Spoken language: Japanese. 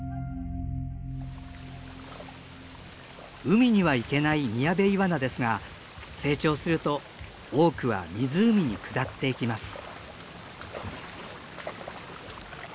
海には行けないミヤベイワナですが成長すると多くは湖に下っていきます。